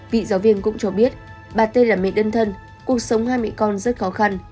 vị giáo viên cũng cho biết bà t là mẹ đơn thân cuộc sống hai mẹ con rất khó khăn